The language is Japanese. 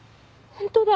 本当だ！